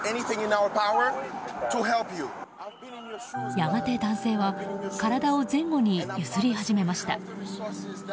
やがて男性は体を前後に揺すり始めました。